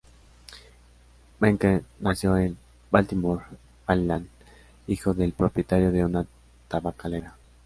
Mencken nació en Baltimore, Maryland, hijo del propietario de una tabacalera.